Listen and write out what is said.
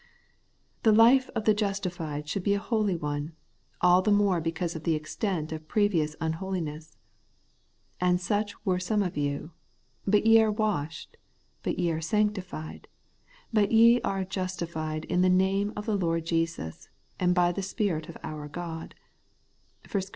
The life of the justified should be a holy one, all the more because of the extent of previous unholi ness. 'And such were some of you: but ye are washed, but ye are sanctified, but ye are justified in the name of the Lord Jesus, and by the Spirit of our God ' (1 Cor.